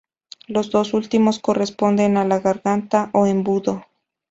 Los dos últimos corresponden a la garganta o embudo.